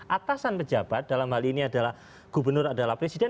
atasan pejabat dalam hal ini adalah gubernur adalah presiden